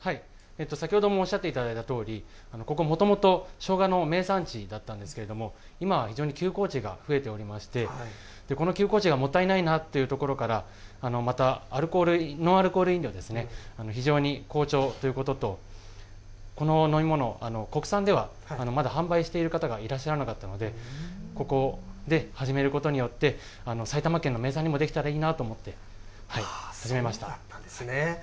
先ほどもおっしゃっていただいたとおり、ここ、もともとしょうがの名産地だったんですけれども、今は非常に休耕地が増えておりまして、この休耕地がもったいないなというところから、またノンアルコール飲料ですね、非常に好調ということと、この飲み物を、国産ではまだ販売している方がいらっしゃらなかったので、ここで始めることによって、埼玉県の名産にもできたらいいなと思って始そうなんですね。